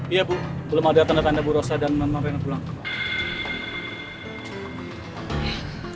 iya bu belum ada tanda tanda bu rosa dan mama rena pulang